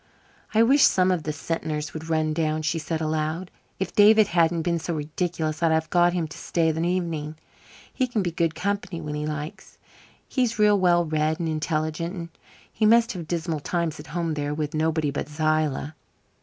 "I wish some of the Sentners would run down," she said aloud. "If David hadn't been so ridiculous I'd have got him to stay the evening. He can be good company when he likes he's real well read and intelligent. And he must have dismal times at home there with nobody but Zillah."